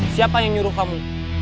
siapa yang nyuruh kamu